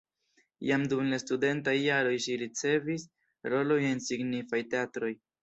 Jam dum la studentaj jaroj ŝi ricevis rolojn en signifaj teatroj.